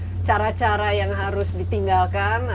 apa cara cara yang harus ditinggalkan